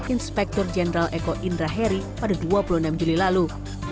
inspektur jenderal eko indra heri pada dua puluh enam juli lalu